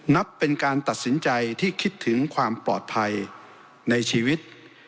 นับเป็นการตัดสินใจที่คิดถึงความปลอดภัยในชีวิต